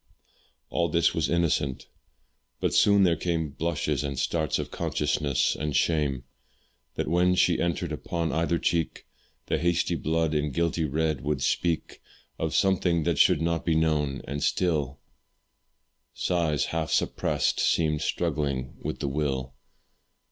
All this was innocent, but soon there came Blushes and starts of consciousness and shame; That, when she entered, upon either cheek The hasty blood in guilty red would speak Of something that should not be known and still Sighs half suppressed seemed struggling with the will.